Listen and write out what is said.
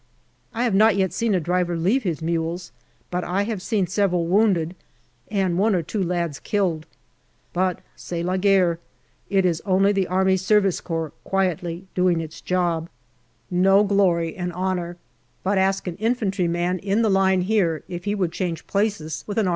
I have not yet seen a driver leave his mules, but I have seen several wounded and one or two lads killed. But c'est la guerre it is only the A.S.C. quietly doing its job. No glory and honour. But ask an infantry man in the line here if he would change places with an A.S.